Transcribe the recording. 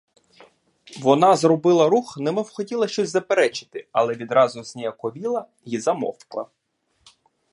Вона зробила рух, немов хотіла щось заперечити, але відразу зніяковіла й замовкла.